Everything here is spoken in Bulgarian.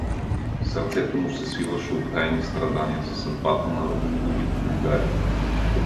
Сърцето му се свиваше от тайни страдания за съдбата на Радоиловите другари.